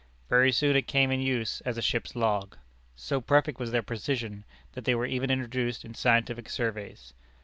Very soon it came in use as a ship's log. So perfect was their precision, that they were even introduced in scientific surveys.